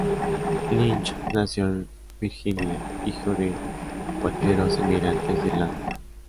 Lynch nació en Virginia, hijo de cuáqueros emigrantes de Irlanda.